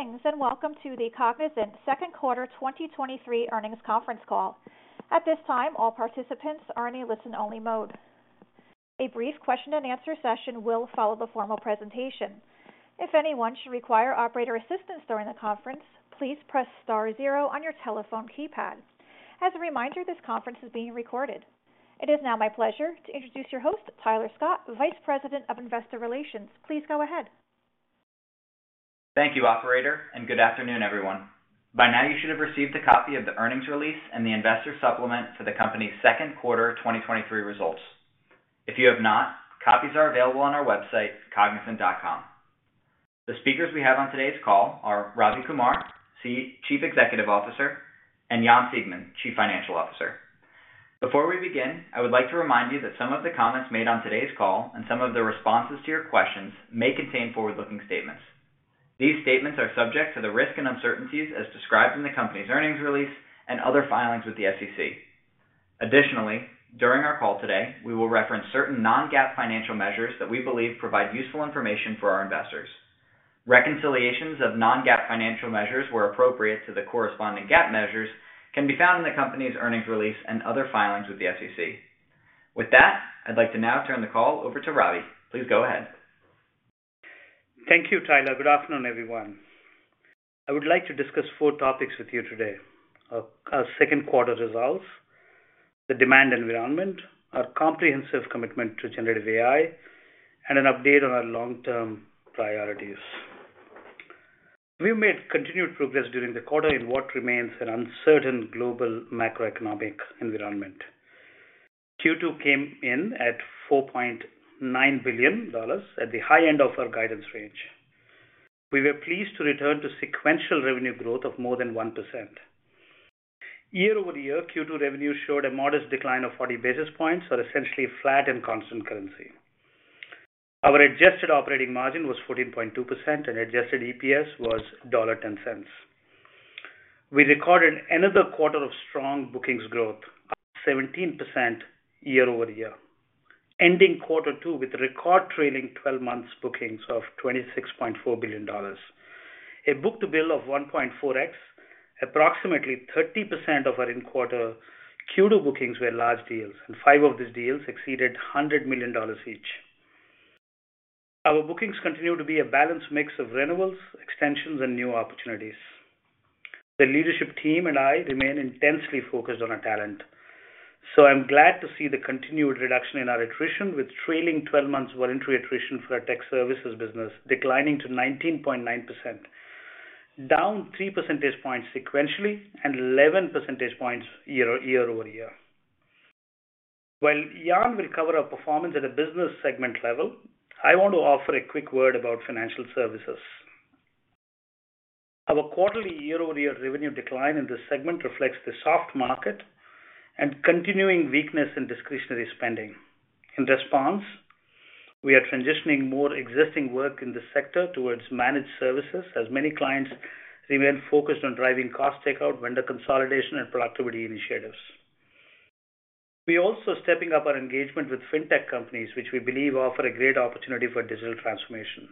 Greetings. Welcome to the Cognizant Second Quarter 2023 Earnings Conference Call. At this time, all participants are in a listen-only mode. A brief question-and-answer session will follow the formal presentation. If anyone should require operator assistance during the conference, please press star zero on your telephone keypad. As a reminder, this conference is being recorded. It is now my pleasure to introduce your host, Tyler Scott, Vice President of Investor Relations. Please go ahead. Thank you, operator, and good afternoon, everyone. By now, you should have received a copy of the earnings release and the investor supplement for the company's second quarter 2023 results. If you have not, copies are available on our website, cognizant.com. The speakers we have on today's call are Ravi Kumar, Chief Executive Officer, and Jan Siegmund, Chief Financial Officer. Before we begin, I would like to remind you that some of the comments made on today's call and some of the responses to your questions may contain forward-looking statements. These statements are subject to the risks and uncertainties as described in the company's earnings release and other filings with the SEC. Additionally, during our call today, we will reference certain non-GAAP financial measures that we believe provide useful information for our investors. Reconciliations of non-GAAP financial measures, where appropriate to the corresponding GAAP measures, can be found in the company's earnings release and other filings with the SEC. With that, I'd like to now turn the call over to Ravi. Please go ahead. Thank you, Tyler. Good afternoon, everyone. I would like to discuss four topics with you today: our, our second quarter results, the demand environment, our comprehensive commitment to generative AI, and an update on our long-term priorities. We've made continued progress during the quarter in what remains an uncertain global macroeconomic environment. Q2 came in at $4.9 billion, at the high end of our guidance range. We were pleased to return to sequential revenue growth of more than 1%. Year-over-year, Q2 revenue showed a modest decline of 40 basis points, or essentially flat in constant currency. Our adjusted operating margin was 14.2%, and adjusted EPS was $1.10. We recorded another quarter of strong bookings growth, 17% year-over-year, ending quarter two with record trailing 12 months bookings of $26.4 billion. A book-to-bill of 1.4x, approximately 30% of our in-quarter Q2 bookings were large deals, and five of these deals exceeded $100 million each. Our bookings continue to be a balanced mix of renewals, extensions, and new opportunities. The leadership team and I remain intensely focused on our talent, so I'm glad to see the continued reduction in our attrition, with trailing 12 months voluntary attrition for our tech services business declining to 19.9%, down 3 percentage points sequentially and 11 percentage points year-over-year. While Jan will cover our performance at a business segment level, I want to offer a quick word about Financial Services. Our quarterly year-over-year revenue decline in this segment reflects the soft market and continuing weakness in discretionary spending. In response, we are transitioning more existing work in this sector towards managed services, as many clients remain focused on driving cost takeout, vendor consolidation, and productivity initiatives. We're also stepping up our engagement with fintech companies, which we believe offer a great opportunity for digital transformation,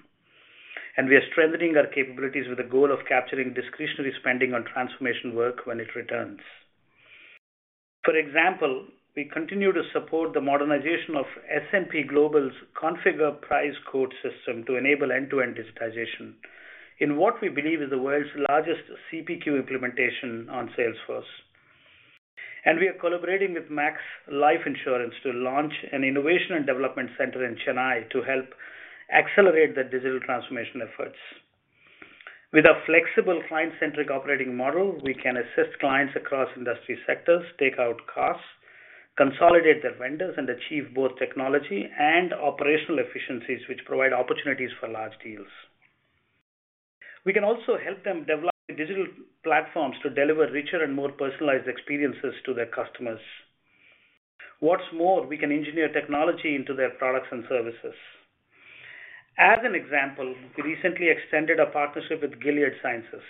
and we are strengthening our capabilities with the goal of capturing discretionary spending on transformation work when it returns. For example, we continue to support the modernization of S&P Global's Configure, Price, Quote system to enable end-to-end digitization in what we believe is the world's largest CPQ implementation on Salesforce. We are collaborating with Max Life Insurance to launch an innovation and development center in Chennai to help accelerate their digital transformation efforts. With a flexible client-centric operating model, we can assist clients across industry sectors take out costs, consolidate their vendors, and achieve both technology and operational efficiencies, which provide opportunities for large deals. We can also help them develop digital platforms to deliver richer and more personalized experiences to their customers. What's more, we can engineer technology into their products and services. As an example, we recently extended a partnership with Gilead Sciences.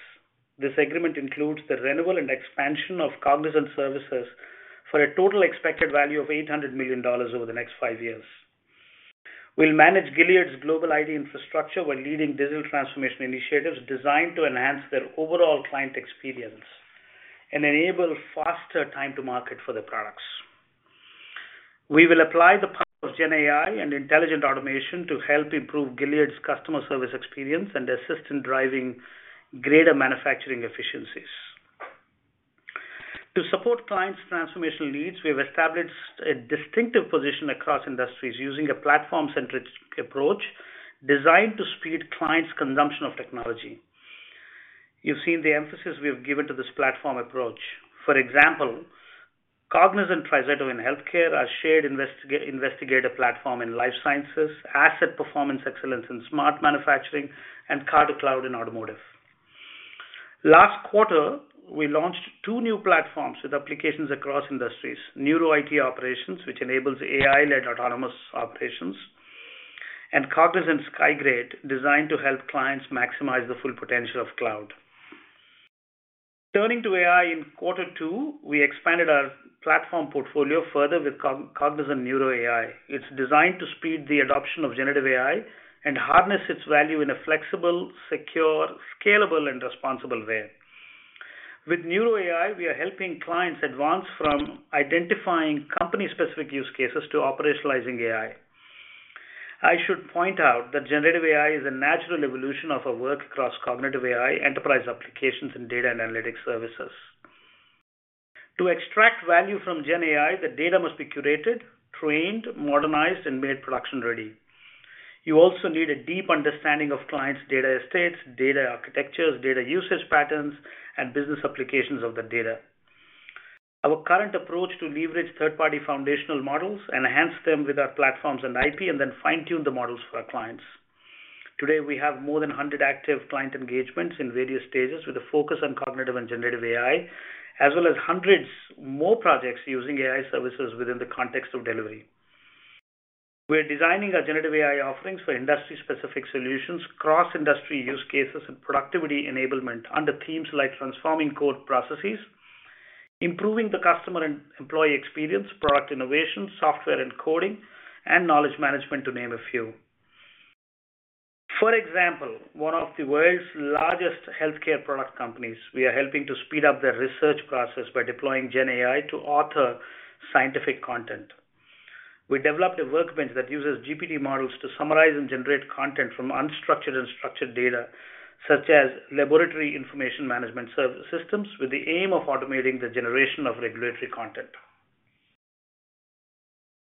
This agreement includes the renewal and expansion of Cognizant services for a total expected value of $800 million over the next five years. We'll manage Gilead's global IT infrastructure while leading digital transformation initiatives designed to enhance their overall client experience and enable faster time to market for their products. We will apply the power of GenAI and intelligent automation to help improve Gilead's customer service experience and assist in driving greater manufacturing efficiencies. To support clients' transformation needs, we've established a distinctive position across industries using a platform-centric approach designed to speed clients' consumption of technology. You've seen the emphasis we have given to this platform approach. For example, Cognizant TriZetto in healthcare, our Shared Investigator Platform in life sciences, asset performance excellence in smart manufacturing, and Car-to-Cloud in automotive. Last quarter, we launched two new platforms with applications across industries, Neuro IT Operations, which enables AI-led autonomous operations, and Cognizant Skygrade, designed to help clients maximize the full potential of cloud. Turning to AI in quarter two, we expanded our platform portfolio further with Cognizant Neuro AI. It's designed to speed the adoption of generative AI and harness its value in a flexible, secure, scalable, and responsible way. With Neuro AI, we are helping clients advance from identifying company-specific use cases to operationalizing AI. I should point out that generative AI is a natural evolution of our work across cognitive AI, enterprise applications, and data analytics services. To extract value from GenAI, the data must be curated, trained, modernized, and made production-ready. You also need a deep understanding of clients' data estates, data architectures, data usage patterns, and business applications of the data. Our current approach to leverage third-party foundational models, enhance them with our platforms and IP, and then fine-tune the models for our clients. Today, we have more than 100 active client engagements in various stages, with a focus on cognitive and generative AI, as well as hundreds more projects using AI services within the context of delivery. We're designing our generative AI offerings for industry-specific solutions, cross-industry use cases, and productivity enablement under themes like transforming core processes, improving the customer and employee experience, product innovation, software and coding, and knowledge management, to name a few. For example, one of the world's largest healthcare product companies, we are helping to speed up their research process by deploying GenAI to author scientific content. We developed a workbench that uses GPT models to summarize and generate content from unstructured and structured data, such as Laboratory Information Management service systems, with the aim of automating the generation of regulatory content.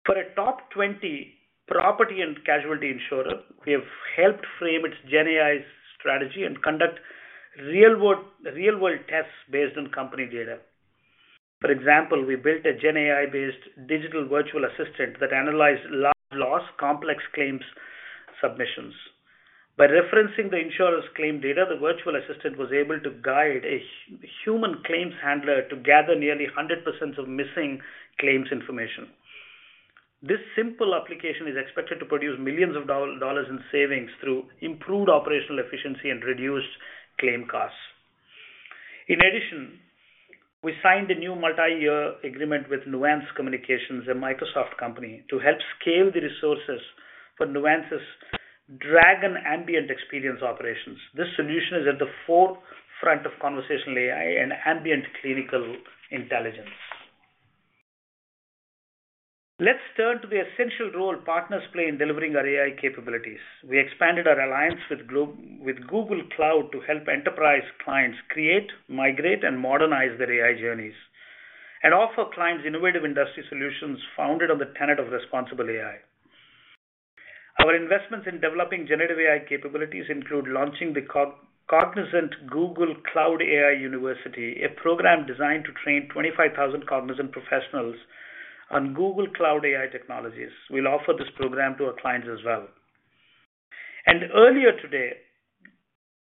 For a top 20 property and casualty insurer, we have helped frame its GenAI strategy and conduct real-world tests based on company data. For example, we built a GenAI-based digital virtual assistant that analyzed lo- loss, complex claims submissions. By referencing the insurer's claim data, the virtual assistant was able to guide a human claims handler to gather nearly 100% of missing claims information. This simple application is expected to produce millions of dollars in savings through improved operational efficiency and reduced claim costs. In addition, we signed a new multi-year agreement with Nuance Communications, a Microsoft company, to help scale the resources for Nuance's Dragon Ambient eXperience operations. This solution is at the forefront of conversational AI and ambient clinical intelligence. Let's turn to the essential role partners play in delivering our AI capabilities. We expanded our alliance with Google Cloud to help enterprise clients create, migrate, and modernize their AI journeys, and offer clients innovative industry solutions founded on the tenet of responsible AI. Our investments in developing generative AI capabilities include launching the Cognizant Google Cloud AI University, a program designed to train 25,000 Cognizant professionals on Google Cloud AI technologies. We'll offer this program to our clients as well. Earlier today,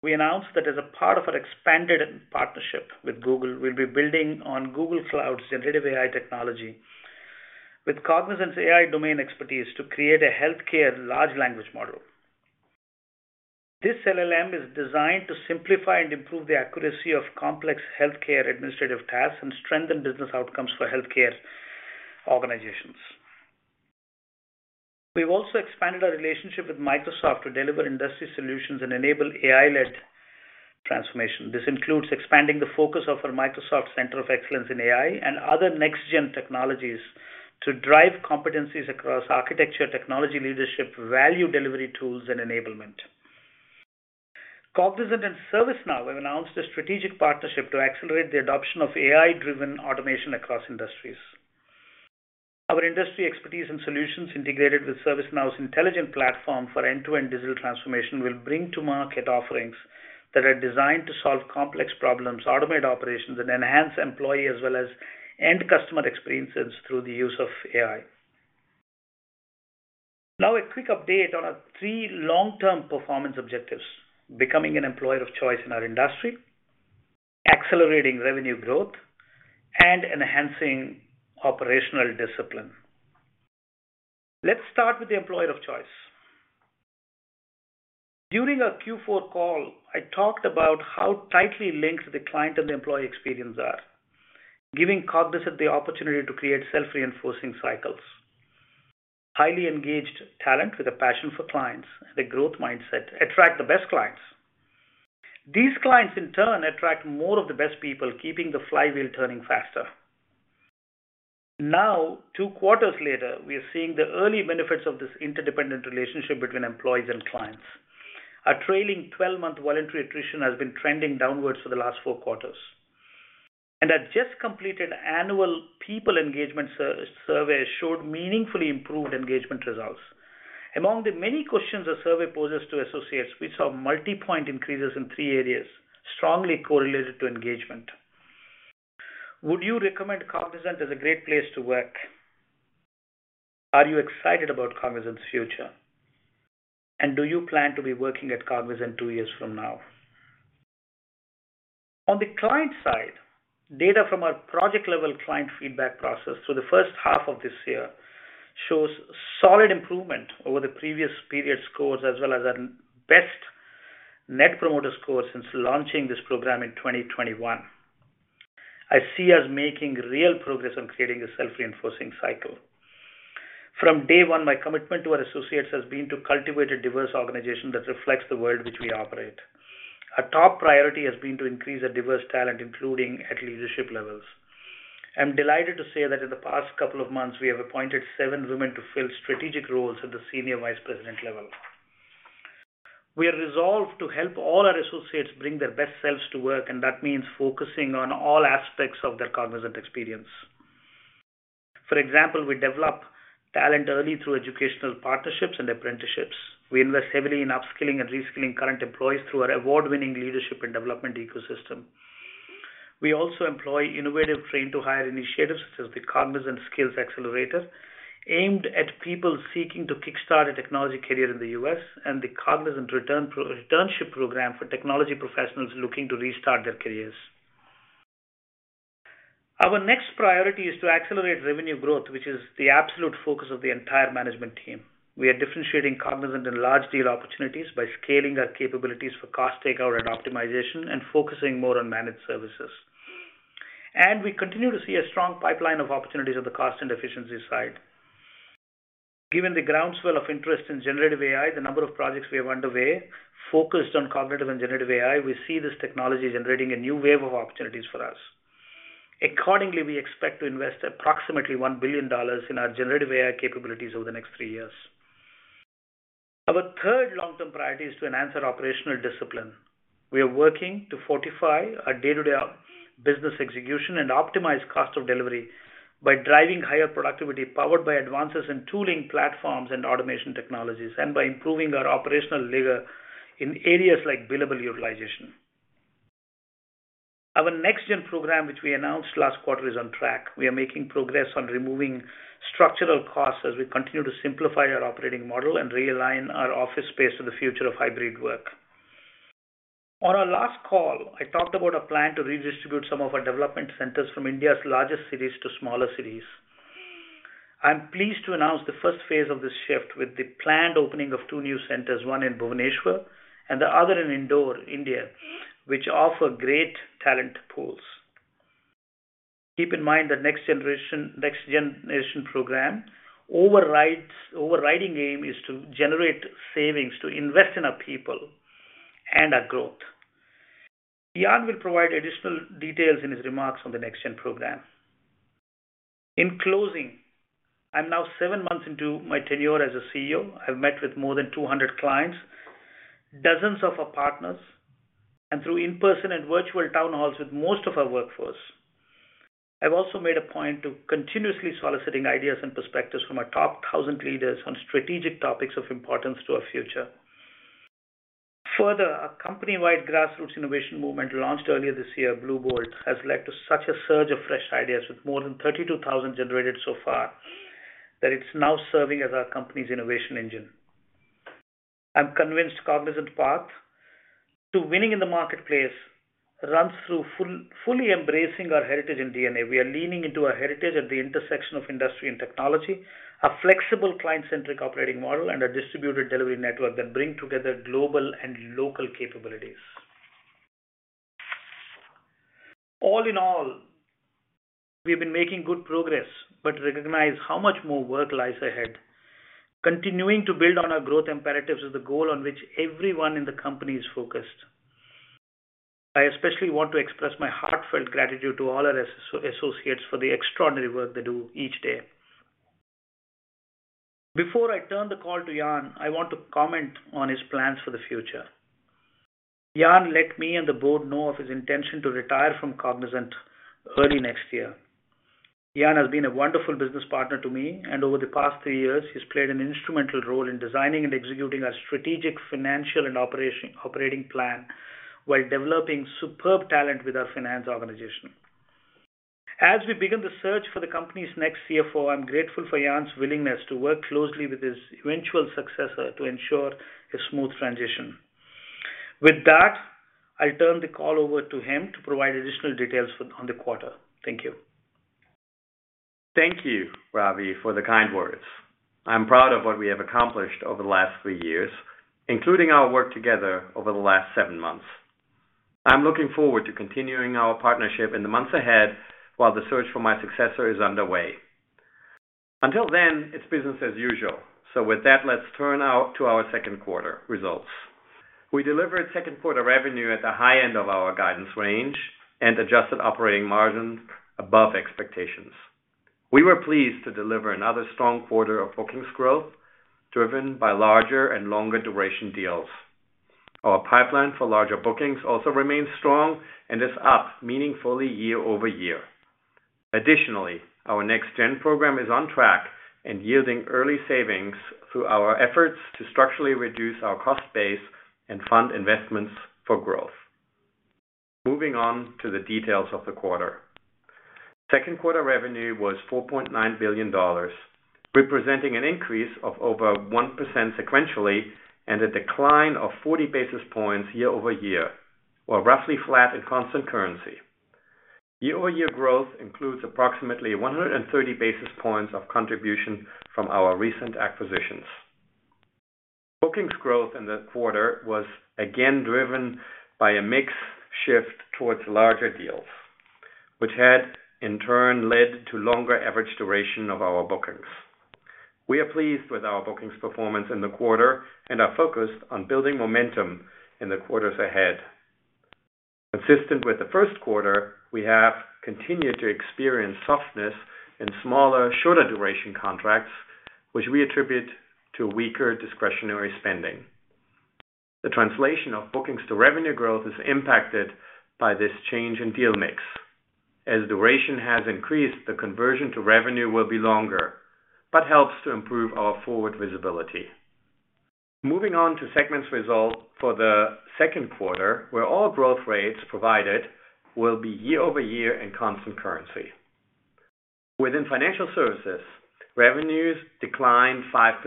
we announced that as a part of our expanded partnership with Google, we'll be building on Google Cloud's generative AI technology with Cognizant's AI domain expertise to create a healthcare large language model. This LLM is designed to simplify and improve the accuracy of complex healthcare administrative tasks and strengthen business outcomes for healthcare organizations. We've also expanded our relationship with Microsoft to deliver industry solutions and enable AI-led transformation. This includes expanding the focus of our Microsoft Center of Excellence in AI and other next gen technologies to drive competencies across architecture, technology leadership, value delivery tools, and enablement. Cognizant and ServiceNow have announced a strategic partnership to accelerate the adoption of AI-driven automation across industries. Our industry expertise and solutions integrated with ServiceNow's intelligent platform for end-to-end digital transformation, will bring to market offerings that are designed to solve complex problems, automate operations, and enhance employee as well as end customer experiences through the use of AI. Now, a quick update on our three long-term performance objectives: becoming an employer of choice in our industry, accelerating revenue growth, and enhancing operational discipline. Let's start with the employer of choice. During our Q4 call, I talked about how tightly linked the client and the employee experience are, giving Cognizant the opportunity to create self-reinforcing cycles. Highly engaged talent with a passion for clients and a growth mindset attract the best clients. These clients, in turn, attract more of the best people, keeping the flywheel turning faster. Now, two quarters later, we are seeing the early benefits of this interdependent relationship between employees and clients. Our trailing 12-month voluntary attrition has been trending downwards for the last four quarters, and our just completed annual people engagement survey showed meaningfully improved engagement results. Among the many questions the survey poses to associates, we saw multi-point increases in three areas, strongly correlated to engagement. Would you recommend Cognizant as a great place to work? Are you excited about Cognizant's future? Do you plan to be working at Cognizant two years from now? On the client side, data from our project-level client feedback process for the first half of this year shows solid improvement over the previous period's scores, as well as our best Net Promoter Score since launching this program in 2021. I see us making real progress on creating a self-reinforcing cycle. From day one, my commitment to our associates has been to cultivate a diverse organization that reflects the world which we operate. Our top priority has been to increase our diverse talent, including at leadership levels. I'm delighted to say that in the past couple of months, we have appointed seven women to fill strategic roles at the senior vice president level. We are resolved to help all our associates bring their best selves to work, and that means focusing on all aspects of their Cognizant experience. For example, we develop talent early through educational partnerships and apprenticeships. We invest heavily in upskilling and reskilling current employees through our award-winning leadership and development ecosystem. We also employ innovative train-to-hire initiatives, such as the Cognizant Skills Accelerator, aimed at people seeking to kickstart a technology career in the U.S., and the Cognizant Returnship Program for technology professionals looking to restart their careers. Our next priority is to accelerate revenue growth, which is the absolute focus of the entire management team. We are differentiating Cognizant in large deal opportunities by scaling our capabilities for cost takeout and optimization and focusing more on managed services. We continue to see a strong pipeline of opportunities on the cost and efficiency side. Given the groundswell of interest in generative AI, the number of projects we have underway, focused on cognitive and generative AI, we see this technology generating a new wave of opportunities for us. Accordingly, we expect to invest approximately $1 billion in our generative AI capabilities over the next three years. Our third long-term priority is to enhance our operational discipline. We are working to fortify our day-to-day business execution and optimize cost of delivery by driving higher productivity, powered by advances in tooling platforms and automation technologies, and by improving our operational rigor in areas like billable utilization. Our NextGen program, which we announced last quarter, is on track. We are making progress on removing structural costs as we continue to simplify our operating model and realign our office space to the future of hybrid work. On our last call, I talked about a plan to redistribute some of our development centers from India's largest cities to smaller cities. I'm pleased to announce the first phase of this shift with the planned opening of two new centers, one in Bhubaneswar and the other in Indore, India, which offer great talent pools. Keep mind that NextGen program overriding aim is to generate savings to invest in our people and our growth. Jan will provide additional details in his remarks on the NextGen program. In closing, I'm now seven months into my tenure as a CEO. I've met with more than 200 clients, dozens of our partners, and through in-person and virtual town halls with most of our workforce, I've also made a point to continuously soliciting ideas and perspectives from our top 1,000 leaders on strategic topics of importance to our future. Further, a company-wide grassroots innovation movement launched earlier this year, Bluebolt, has led to such a surge of fresh ideas, with more than 32,000 generated so far, that it's now serving as our company's innovation engine. I'm convinced Cognizant path to winning in the marketplace runs through fully embracing our heritage and DNA. We are leaning into our heritage at the intersection of industry and technology, a flexible client-centric operating model, and a distributed delivery network that bring together global and local capabilities. All in all, we've been making good progress, but recognize how much more work lies ahead. Continuing to build on our growth imperatives is the goal on which everyone in the company is focused. I especially want to express my heartfelt gratitude to all our associates for the extraordinary work they do each day. Before I turn the call to Jan, I want to comment on his plans for the future. Jan let me and the board know of his intention to retire from Cognizant early next year. Jan has been a wonderful business partner to me, over the past three years, he's played an instrumental role in designing and executing our strategic, financial, and operating plan, while developing superb talent with our finance organization. As we begin the search for the company's next CFO, I'm grateful for Jan's willingness to work closely with his eventual successor to ensure a smooth transition. With that, I turn the call over to him to provide additional details on the quarter. Thank you. Thank you, Ravi, for the kind words. I'm proud of what we have accomplished over the last three years, including our work together over the last seven months. I'm looking forward to continuing our partnership in the months ahead while the search for my successor is underway. Until then, it's business as usual. With that, let's turn now to our second quarter results. We delivered second quarter revenue at the high end of our guidance range and adjusted operating margins above expectations. We were pleased to deliver another strong quarter of bookings growth, driven by larger and longer duration deals. Our pipeline for larger bookings also remains strong and is up meaningfully year-over-year. Additionally, our NextGen program is on track and yielding early savings through our efforts to structurally reduce our cost base and fund investments for growth. Moving on to the details of the quarter. Second quarter revenue was $4.9 billion, representing an increase of over 1% sequentially and a decline of 40 basis points year-over-year, or roughly flat in constant currency. Year-over-year growth includes approximately 130 basis points of contribution from our recent acquisitions. Bookings growth in the quarter was again driven by a mix shift towards larger deals, which had in turn led to longer average duration of our bookings. We are pleased with our bookings performance in the quarter and are focused on building momentum in the quarters ahead. Consistent with the first quarter, we have continued to experience softness in smaller, shorter duration contracts, which we attribute to weaker discretionary spending. The translation of bookings to revenue growth is impacted by this change in deal mix. As duration has increased, the conversion to revenue will be longer, but helps to improve our forward visibility. Moving on to segments results for the second quarter, where all growth rates provided will be year-over-year in constant currency. Within Financial Services, revenues declined 5%,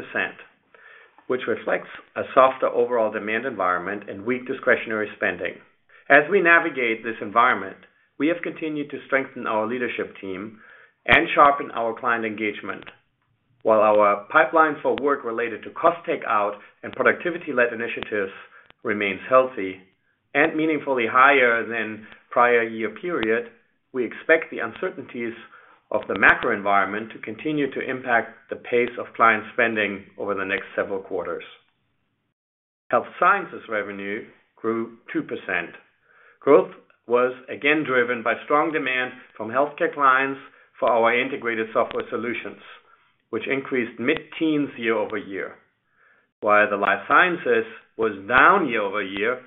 which reflects a softer overall demand environment and weak discretionary spending. As we navigate this environment, we have continued to strengthen our leadership team and sharpen our client engagement. While our pipeline for work related to cost takeout and productivity-led initiatives remains healthy and meaningfully higher than prior year period, we expect the uncertainties of the macro environment to continue to impact the pace of client spending over the next several quarters. Health Sciences revenue grew 2%. Growth was again driven by strong demand from healthcare clients for our integrated software solutions, which increased mid-teens year-over-year. While the life sciences was down year-over-year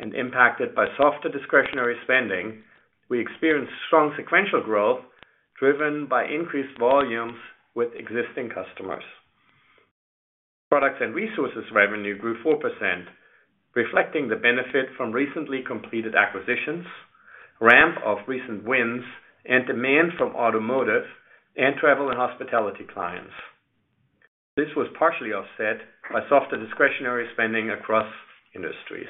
and impacted by softer discretionary spending, we experienced strong sequential growth, driven by increased volumes with existing customers. Products & Resources revenue grew 4%, reflecting the benefit from recently completed acquisitions, ramp of recent wins, and demand from automotive and travel and hospitality clients. This was partially offset by softer discretionary spending across industries.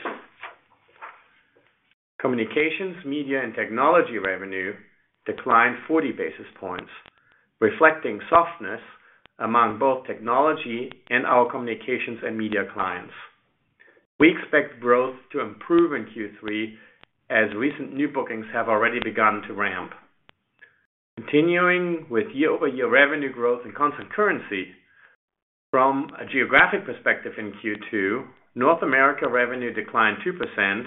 Communications, Media, and Technology revenue declined 40 basis points, reflecting softness among both technology and our communications and media clients. We expect growth to improve in Q3 as recent new bookings have already begun to ramp. Continuing with year-over-year revenue growth in constant currency, from a geographic perspective in Q2, North America revenue declined 2%,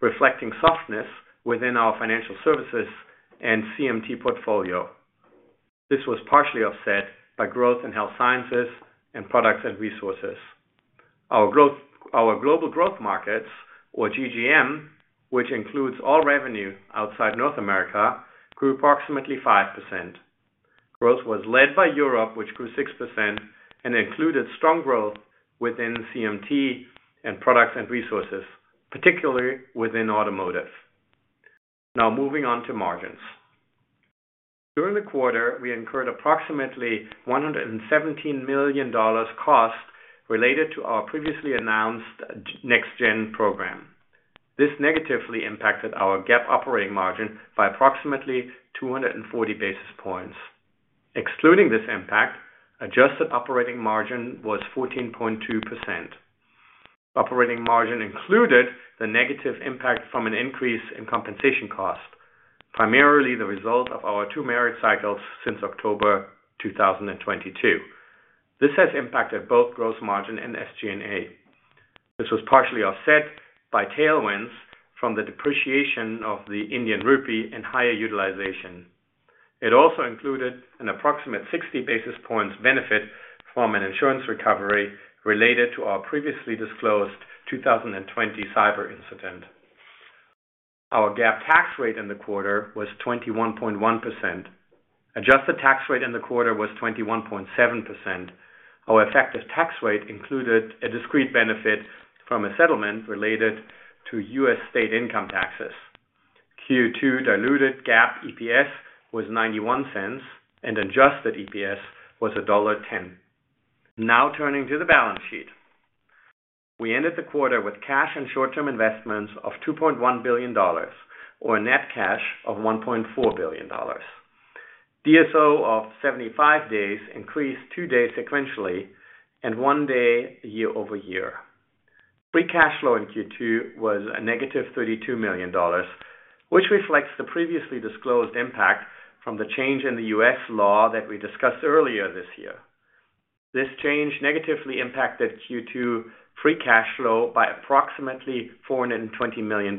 reflecting softness within our Financial Services and CMT portfolio. This was partially offset by growth in Health Sciences and Products & Resources. Our global growth markets, or GGM, which includes all revenue outside North America, grew approximately 5%. Growth was led by Europe, which grew 6% and included strong growth within CMT and Products & Resources, particularly within automotive. Moving on to margins. During the quarter, we incurred approximately $117 million cost related to our previously announced NextGen program. This negatively impacted our GAAP operating margin by approximately 240 basis points. Excluding this impact, adjusted operating margin was 14.2%. Operating margin included the negative impact from an increase in compensation costs, primarily the result of our two merit cycles since October 2022. This has impacted both gross margin and SG&A. This was partially offset by tailwinds from the depreciation of the Indian rupee and higher utilization. It also included an approximate 60 basis points benefit from an insurance recovery related to our previously disclosed 2020 cyber incident. Our GAAP tax rate in the quarter was 21.1%. Adjusted tax rate in the quarter was 21.7%. Our effective tax rate included a discrete benefit from a settlement related to U.S. state income taxes. Q2 diluted GAAP EPS was $0.91, and adjusted EPS was $1.10. Now turning to the balance sheet. We ended the quarter with cash and short-term investments of $2.1 billion, or a net cash of $1.4 billion. DSO of 75 days increased two days sequentially and one day year-over-year. Free cash flow in Q2 was a -$32 million, which reflects the previously disclosed impact from the change in the U.S. law that we discussed earlier this year. This change negatively impacted Q2 free cash flow by approximately $420 million,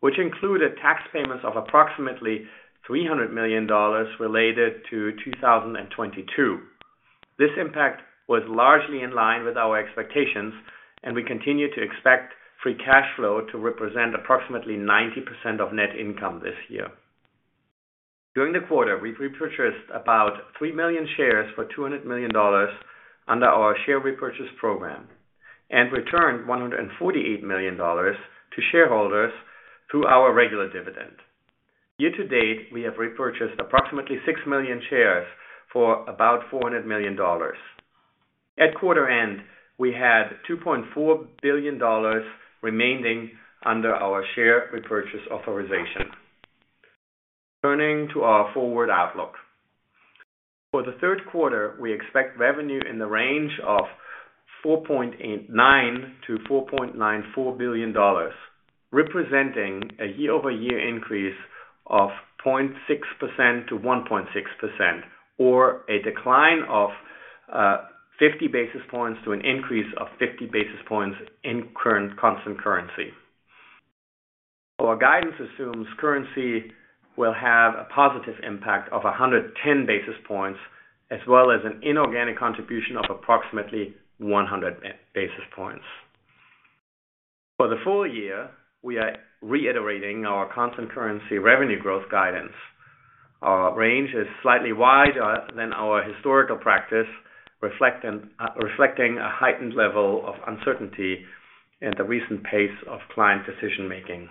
which included tax payments of approximately $300 million related to 2022. This impact was largely in line with our expectations, and we continue to expect free cash flow to represent approximately 90% of net income this year. During the quarter, we've repurchased about 3 million shares for $200 million under our share repurchase program and returned $148 million to shareholders through our regular dividend. Year to date, we have repurchased approximately 6 million shares for about $400 million. At quarter end, we had $2.4 billion remaining under our share repurchase authorization. Turning to our forward outlook. For the third quarter, we expect revenue in the range of $4.89 billion-$4.94 billion, representing a year-over-year increase of 0.6%-1.6%, or a decline of 50 basis points to an increase of 50 basis points in current constant currency. Our guidance assumes currency will have a positive impact of 110 basis points, as well as an inorganic contribution of approximately 100 basis points. For the full year, we are reiterating our constant currency revenue growth guidance. Our range is slightly wider than our historical practice, reflecting a heightened level of uncertainty in the recent pace of client decision-making.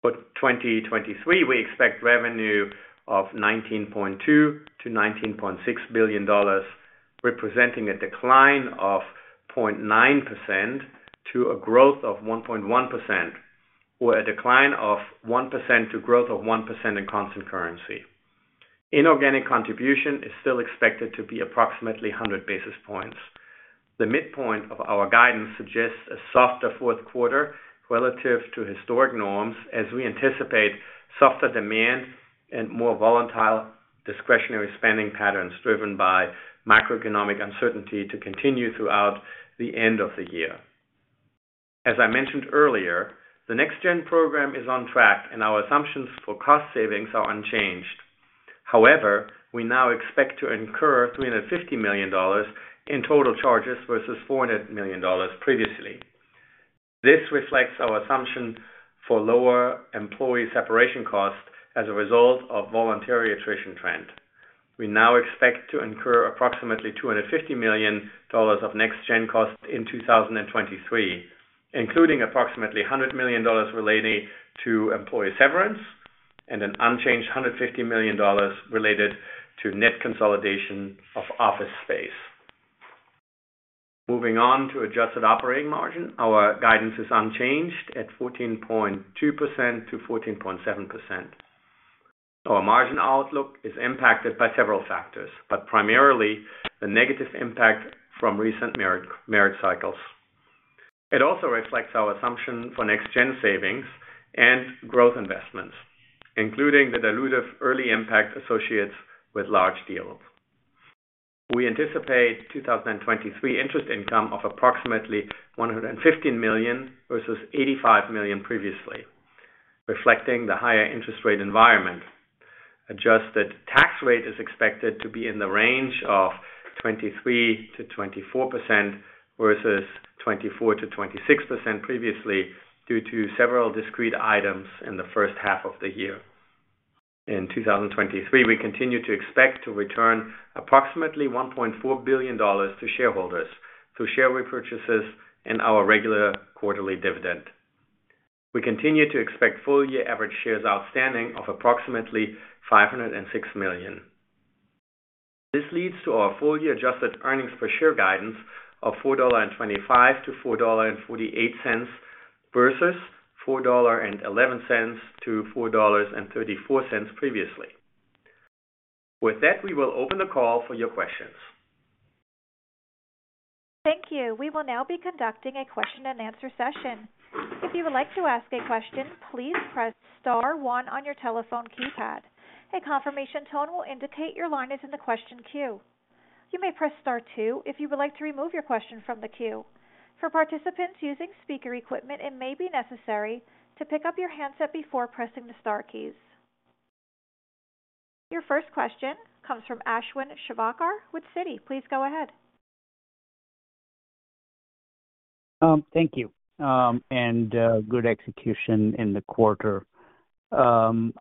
For 2023, we expect revenue of $19.2 billion-$19.6 billion, representing a decline of 0.9% to a growth of 1.1%, or a decline of 1% to growth of 1% in constant currency. Inorganic contribution is still expected to be approximately 100 basis points. The midpoint of our guidance suggests a softer fourth quarter relative to historic norms, as we anticipate softer demand and more volatile discretionary spending patterns, driven by macroeconomic uncertainty, to continue throughout the end of the year. As I mentioned earlier, the NextGen program is on track, and our assumptions for cost savings are unchanged. However, we now expect to incur $350 million in total charges versus $400 million previously. This reflects our assumption for lower employee separation costs as a result of voluntary attrition trend. We now expect to incur approximately $250 million of NextGen costs in 2023, including approximately $100 million relating to employee severance and an unchanged $150 million related to net consolidation of office space. Moving on to adjusted operating margin. Our guidance is unchanged at 14.2%-14.7%. Our margin outlook is impacted by several factors, primarily the negative impact from recent merit cycles. It also reflects our assumption for NextGen savings and growth investments, including the dilutive early impact associated with large deals. We anticipate 2023 interest income of approximately $150 million versus $85 million previously, reflecting the higher interest rate environment. Adjusted tax rate is expected to be in the range of 23%-24% versus 24%-26% previously, due to several discrete items in the first half of the year. In 2023, we continue to expect to return approximately $1.4 billion to shareholders through share repurchases and our regular quarterly dividend. We continue to expect full-year average shares outstanding of approximately 506 million. This leads to our full-year adjusted earnings per share guidance of $4.25-$4.48, versus $4.11-$4.34 previously. With that, we will open the call for your questions. Thank you. We will now be conducting a question-and-answer session. If you would like to ask a question, please press star one on your telephone keypad. A confirmation tone will indicate your line is in the question queue. You may press star two if you would like to remove your question from the queue. For participants using speaker equipment, it may be necessary to pick up your handset before pressing the star keys. Your first question comes from Ashwin Shirvaikar with Citi. Please go ahead. Thank you, and good execution in the quarter. I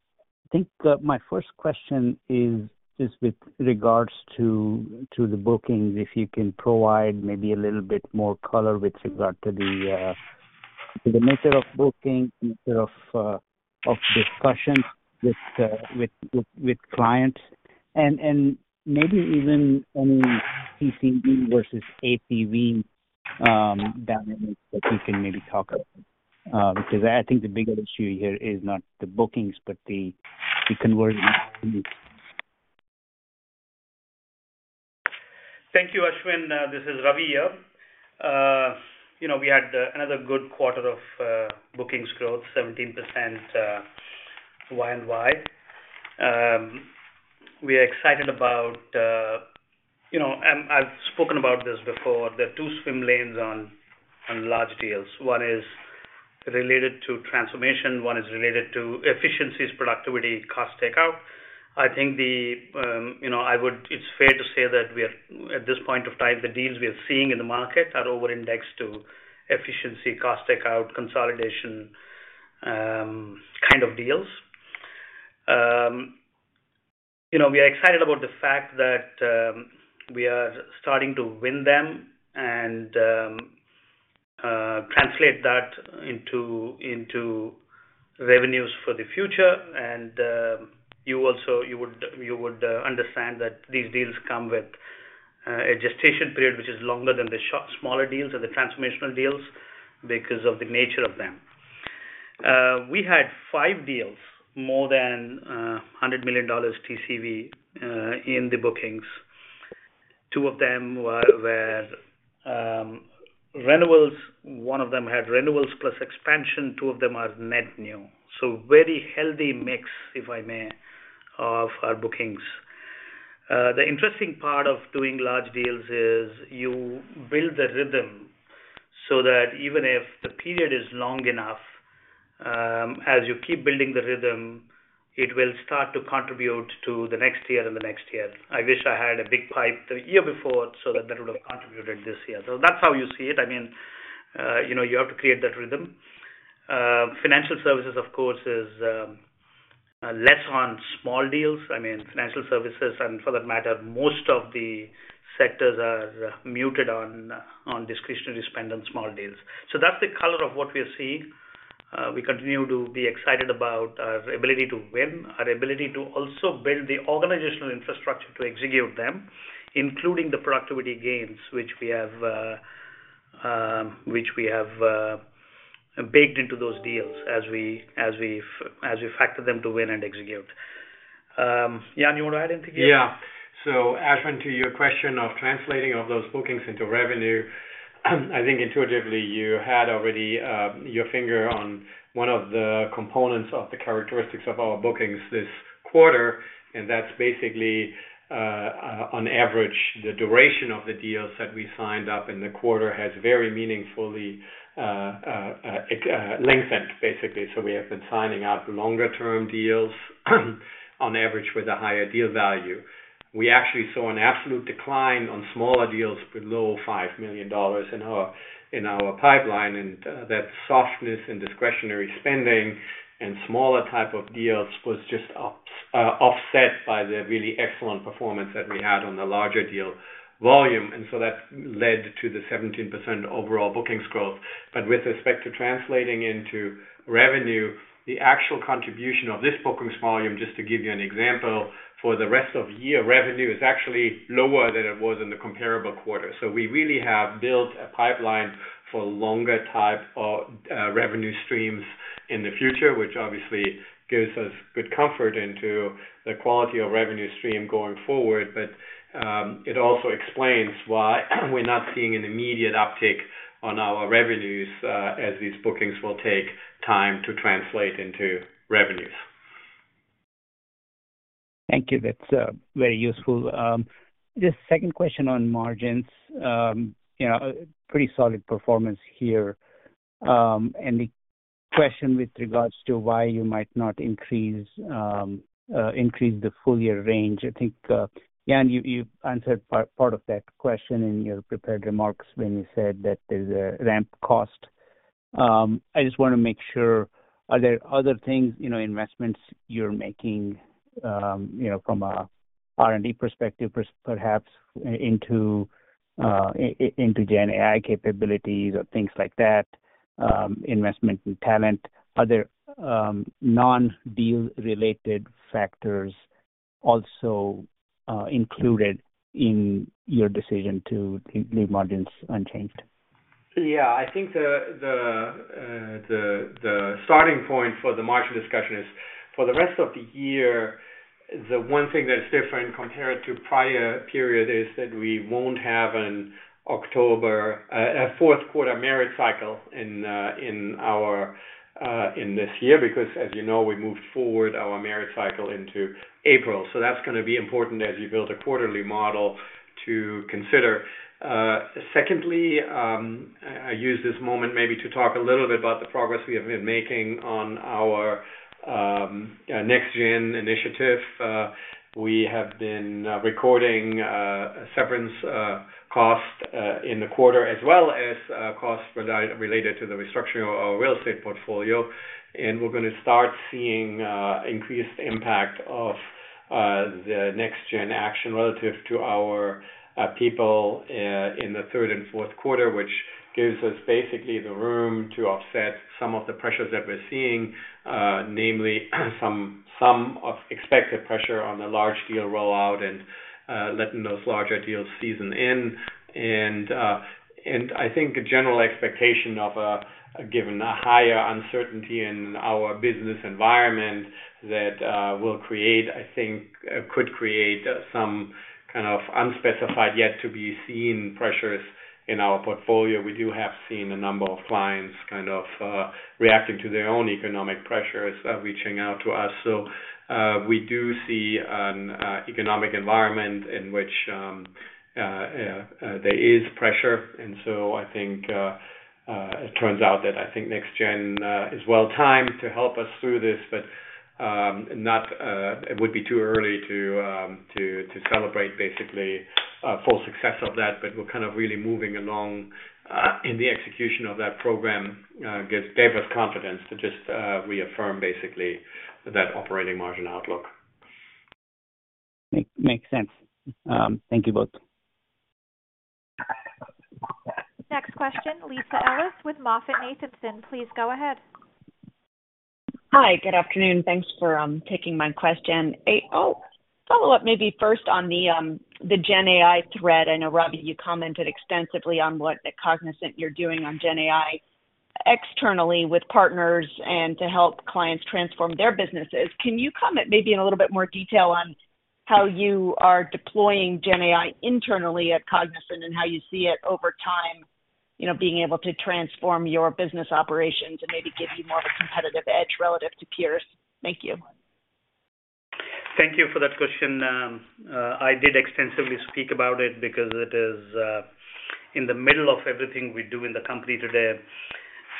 think my first question is just with regards to the bookings, if you can provide maybe a little bit more color with reegard to the method of booking, method of discussions with, with, with clients, and maybe even any TCV versus ACV dynamics that you can maybe talk about. Because I think the bigger issue here is not the bookings, but the conversion. Thank you, Ashwin. This is Ravi here. You know, we had another good quarter of bookings growth, 17% Y-on-Y. We are excited about, you know, I've spoken about this before, there are two swim lanes on, on large deals. One is related to transformation, one is related to efficiencies, productivity, cost takeout. I think the, you know, it's fair to say that we are, at this point of time, the deals we are seeing in the market are overindexed to efficiency, cost takeout, consolidation, kind of deals. You know, we are excited about the fact that we are starting to win them, and.... Translate that into, into revenues for the future. You also, you would, you would understand that these deals come with a gestation period, which is longer than the smaller deals or the transformational deals because of the nature of them. We had five deals, more than $100 million TCV in the bookings. Two of them were renewals. One of them had renewals plus expansion, two of them are net new. Very healthy mix, if I may, of our bookings. The interesting part of doing large deals is you build the rhythm so that even if the period is long enough, as you keep building the rhythm, it will start to contribute to the next year and the next year. I wish I had a big pipe the year before, that that would have contributed this year. That's how you see it. I mean, you know, you have to create that rhythm. Financial Services, of course, is less on small deals. I mean, Financial Services, and for that matter, most of the sectors are muted on, on discretionary spend on small deals. That's the color of what we are seeing. We continue to be excited about our ability to win, our ability to also build the organizational infrastructure to execute them, including the productivity gains, which we have, which we have baked into those deals as we, as we, as we factor them to win and execute. Jan, you want to add anything here? Yeah. Ashwin, to your question of translating of those bookings into revenue, I think intuitively, you had already your finger on one of the components of the characteristics of our bookings this quarter, and that's basically on average, the duration of the deals that we signed up in the quarter has very meaningfully lengthened, basically. So we have been signing up longer-term deals, on average, with a higher deal value. We actually saw an absolute decline on smaller deals below $5 million in our, in our pipeline, and that softness in discretionary spending and smaller type of deals was just offset by the really excellent performance that we had on the larger deal volume. And so that led to the 17% overall bookings growth. With respect to translating into revenue, the actual contribution of this bookings volume, just to give you an example, for the rest of year, revenue is actually lower than it was in the comparable quarter. We really have built a pipeline for longer type of revenue streams in the future, which obviously gives us good comfort into the quality of revenue stream going forward. It also explains why we're not seeing an immediate uptick on our revenues, as these bookings will take time to translate into revenues. Thank you. That's very useful. Just second question on margins. You know, pretty solid performance here. The question with regards to why you might not increase, increase the full year range, I think, Jan, you, you answered part, part of that question in your prepared remarks when you said that there's a ramp cost. I just want to make sure, are there other things, you know, investments you're making, you know, from a R&D perspective, perhaps into into GenAI capabilities or things like that, investment in talent? Are there non-deal related factors also included in your decision to keep the margins unchanged? Yeah, I think the, the, the, the starting point for the margin discussion is, for the rest of the year, the one thing that's different compared to prior period is that we won't have an October... a fourth-quarter merit cycle in, in our, in this year, because, as you know, we moved forward our merit cycle into April. That's gonna be important as you build a quarterly model to consider. Secondly, I use this moment maybe to talk a little bit about the progress we have been making on our NextGen initiative. We have been recording severance cost in the quarter, as well as costs related to the restructuring of our real estate portfolio. We're gonna start seeing increased impact of the NextGen action relative to our people in the third and fourth quarter, which gives us basically the room to offset some of the pressures that we're seeing, namely, some of expected pressure on the large deal rollout and letting those larger deals season in. I think a general expectation of a given a higher uncertainty in our business environment, that will create, I think, could create some kind of unspecified, yet to be seen, pressures in our portfolio. We do have seen a number of clients kind of reacting to their own economic pressures, reaching out to us. We do see an economic environment in which there is pressure. I think, it turns out that I think NextGen is well-timed to help us through this, but not... it would be too early to, to celebrate basically, full success of that, but we're kind of really moving along in the execution of that program, gives diverse confidence to just reaffirm basically that operating margin outlook.... Make, makes sense. Thank you both. Next question, Lisa Ellis with MoffettNathanson. Please go ahead. Hi, good afternoon. Thanks for taking my question. I'll follow-up maybe first on the GenAI thread. I know, Ravi, you commented extensively on what at Cognizant you're doing on GenAI externally with partners and to help clients transform their businesses. Can you comment maybe in a little bit more detail on how you are deploying GenAI internally at Cognizant and how you see it over time, you know, being able to transform your business operations and maybe give you more of a competitive edge relative to peers? Thank you. Thank you for that question. I did extensively speak about it because it is in the middle of everything we do in the company today.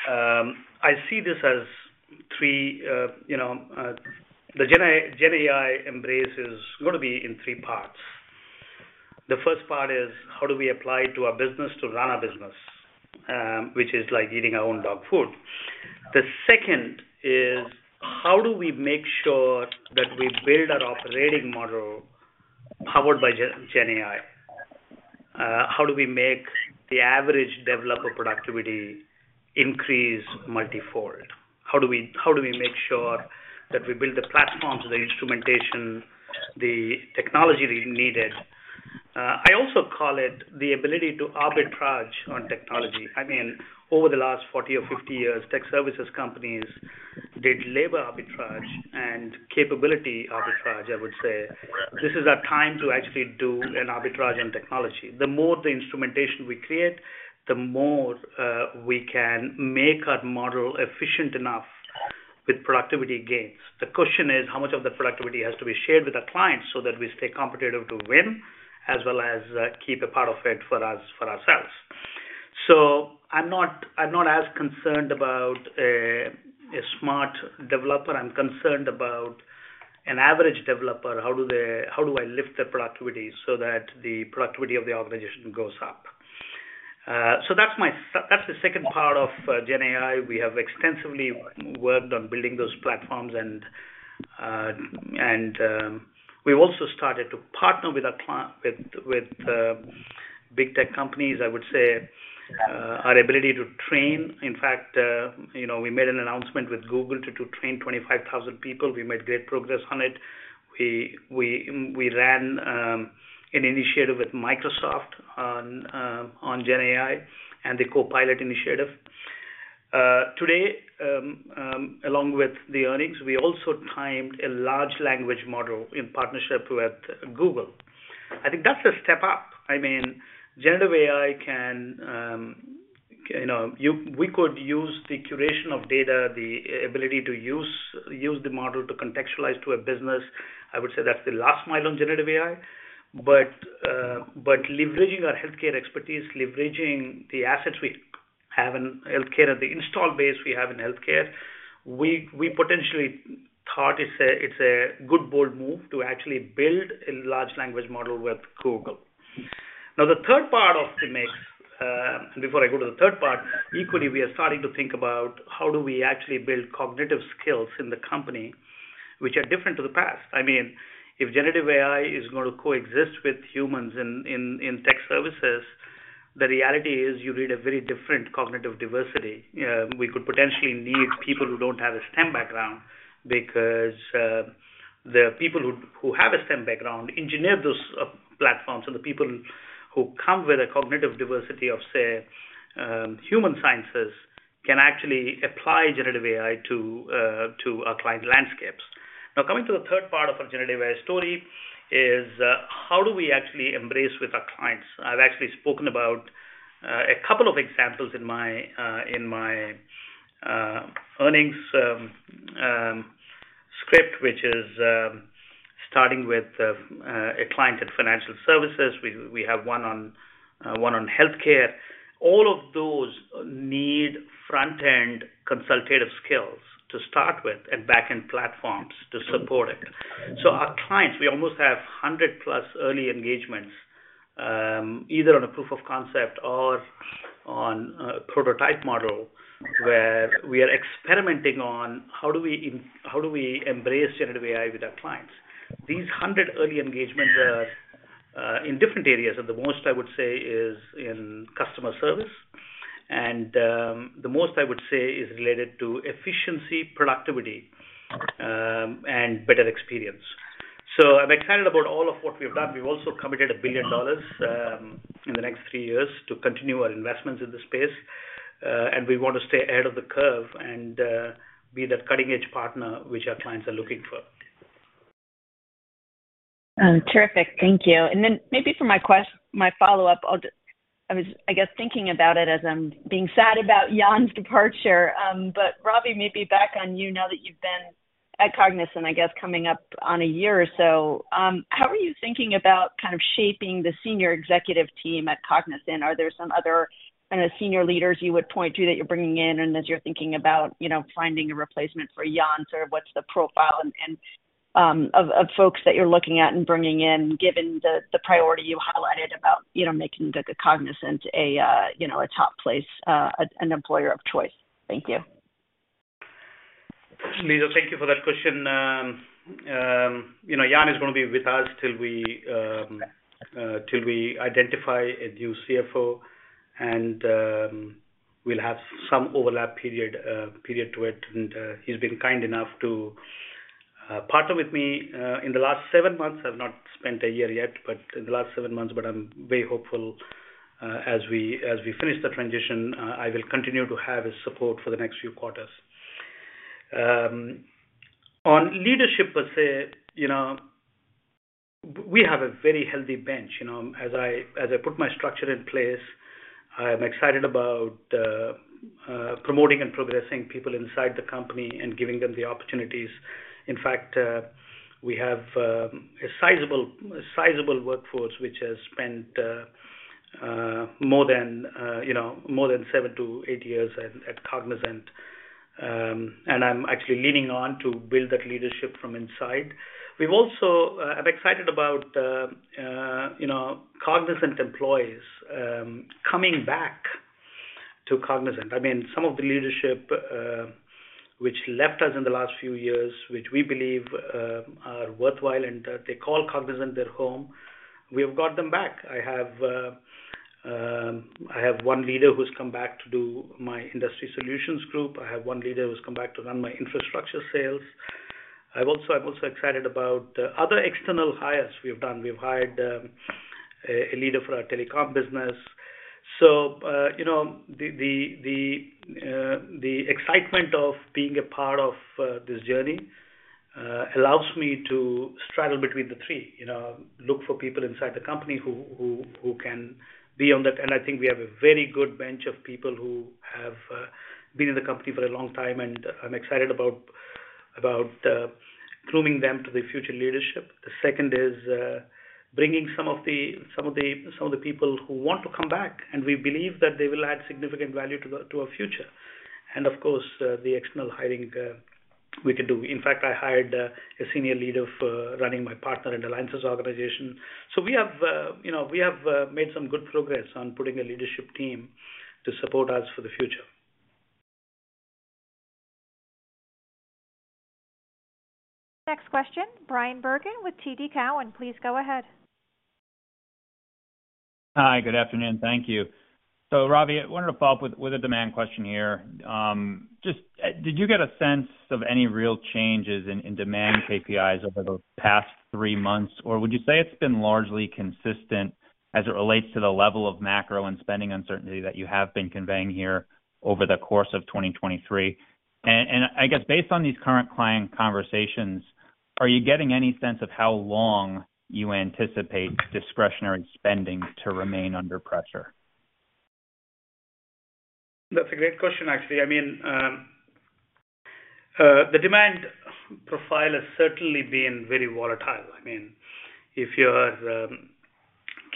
I see this as three, you know, the GenAI embrace is going to be in three parts. The first part is, how do we apply to our business to run our business? Which is like eating our own dog food. The second is, how do we make sure that we build our operating model powered by GenAI? How do we make the average developer productivity increase multi-fold? How do we, how do we make sure that we build the platforms, the instrumentation, the technology needed? I also call it the ability to arbitrage on technology. I mean, over the last 40 or 50 years, tech services companies did labor arbitrage and capability arbitrage, I would say. This is our time to actually do an arbitrage in technology. The more the instrumentation we create, the more we can make our model efficient enough with productivity gains. The question is, how much of the productivity has to be shared with our clients so that we stay competitive to win, as well as, keep a part of it for us, for ourselves. So I'm not, I'm not as concerned about a smart developer. I'm concerned about an average developer. How do I lift their productivity so that the productivity of the organization goes up? So that's the second part of GenAI. We have extensively worked on building those platforms, and we've also started to partner with our client, with, with big tech companies. I would say our ability to train. In fact, you know, we made an announcement with Google to train 25,000 people. We made great progress on it. We, we, we ran an initiative with Microsoft on GenAI and the Copilot initiative. Today, along with the earnings, we also timed a large language model in partnership with Google. I think that's a step up. I mean, generative AI can, you know, we could use the curation of data, the ability to use, use the model to contextualize to a business. I would say that's the last mile on generative AI. Leveraging our healthcare expertise, leveraging the assets we have in healthcare and the install base we have in healthcare, we, we potentially thought it's a good bold move to actually build a large language model with Google. Now, the third part of the mix, before I go to the third part, equally, we are starting to think about how do we actually build cognitive skills in the company, which are different to the past. I mean, if generative AI is going to coexist with humans in, in, in tech services, the reality is you need a very different cognitive diversity. We could potentially need people who don't have a STEM background because the people who have a STEM background engineer those platforms, and the people who come with a cognitive diversity of, say, human sciences, can actually apply generative AI to our client landscapes. Now, coming to the third part of our generative story is how do we actually embrace with our clients? I've actually spoken about a couple of examples in my earnings script, which is starting with a client at financial services. We have one on healthcare. All of those need front-end consultative skills to start with and back-end platforms to support it. Our clients, we almost have 100+ early engagements, either on a proof of concept or on a prototype model, where we are experimenting on how do we, how do we embrace generative AI with our clients. These 100 early engagements are in different areas, and the most I would say is in customer service, and the most I would say is related to efficiency, productivity, and better experience. I'm excited about all of what we've done. We've also committed $1 billion in the next three years to continue our investments in this space, and we want to stay ahead of the curve and be that cutting-edge partner which our clients are looking for. Terrific. Thank you. Then maybe for my follow-up, I was, I guess, thinking about it as I'm being sad about Jan's departure. Ravi, maybe back on you now that you've been at Cognizant, I guess, coming up on a year or so. How are you thinking about kind of shaping the senior executive team at Cognizant? Are there some other kind of senior leaders you would point to that you're bringing in, as you're thinking about, you know, finding a replacement for Jan, sort of what's the profile and of folks that you're looking at and bringing in, given the priority you highlighted about, you know, making the Cognizant a top place, an employer of choice? Thank you. Lisa, thank you for that question. You know, Jan is going to be with us till we identify a new CFO, and we'll have some overlap period to it. He's been kind enough to partner with me in the last seven months. I've not spent a year yet, but in the last seven months. I'm very hopeful, as we finish the transition, I will continue to have his support for the next few quarters. On leadership per se, you know, we have a very healthy bench. You know, as I, as I put my structure in place, I'm excited about promoting and progressing people inside the company and giving them the opportunities. In fact, we have a sizable, sizable workforce, which has spent more than, you know, more than seven to eight years at Cognizant. I'm actually leaning on to build that leadership from inside. I'm excited about, you know, Cognizant employees coming back to Cognizant. I mean, some of the leadership, which left us in the last few years, which we believe are worthwhile, and they call Cognizant their home, we have got them back. I have one leader who's come back to do my industry solutions group. I have one leader who's come back to run my infrastructure sales. I'm also excited about other external hires we've done. We've hired a leader for our telecom business. You know, the, the, the excitement of being a part of this journey, allows me to straddle between the three. You know, look for people inside the company who, who, who can be on that. I think we have a very good bench of people who have been in the company for a long time, and I'm excited about, about grooming them to the future leadership. The second is bringing some of the, some of the, some of the people who want to come back, and we believe that they will add significant value to our future. Of course, the external hiring we could do. In fact, I hired a, a senior leader for running my partner and alliances organization. We have, you know, we have, made some good progress on putting a leadership team to support us for the future. Next question, Bryan Bergin with TD Cowen. Please go ahead. Hi, good afternoon. Thank you. Ravi, I wanted to follow-up with, with a demand question here. just, did you get a sense of any real changes in, in demand KPIs over the past three months? Or would you say it's been largely consistent as it relates to the level of macro and spending uncertainty that you have been conveying here over the course of 2023? I guess based on these current client conversations, are you getting any sense of how long you anticipate discretionary spending to remain under pressure? That's a great question, actually. I mean, the demand profile has certainly been very volatile. I mean, if you're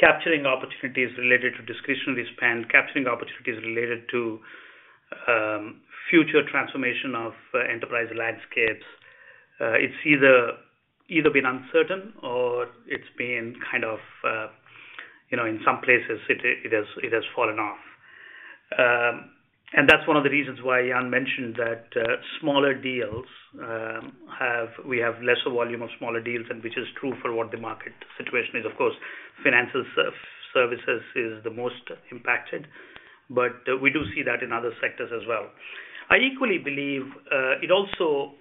capturing opportunities related to discretionary spend, capturing opportunities related to future transformation of enterprise landscapes, it's either been uncertain or it's been kind of, you know, in some places, it has fallen off. And that's one of the reasons why Jan mentioned that smaller deals have lesser volume of smaller deals and which is true for what the market situation is. Of course, Financial Services is the most impacted, but we do see that in other sectors as well. I equally believe, it also